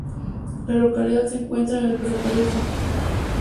La localidad se encuentra en el ferrocarril Samara-Ufá.